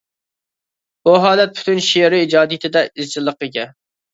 بۇ ھالەت پۈتۈن شېئىرىي ئىجادىيىتىدە ئىزچىللىققا ئىگە.